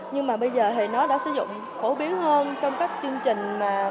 nhưng mà bây giờ thì nó đã sử dụng phổ biến hơn trong các chương trình